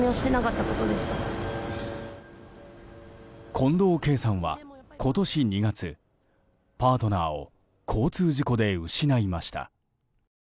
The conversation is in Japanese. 近藤佳さんは今年２月パートナーを交通事故で失いました。